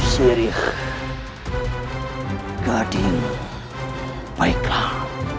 sirih gading baiklah